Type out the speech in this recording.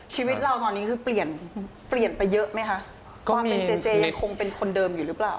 ชีวิตเราตอนนี้คือเปลี่ยนเปลี่ยนไปเยอะไหมคะความเป็นเจเจยังคงเป็นคนเดิมอยู่หรือเปล่า